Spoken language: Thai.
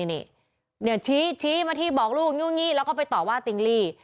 นี่ชี้มาที่บอกลูกงูแล้วก็ไปต่อว่าติ๊งลี่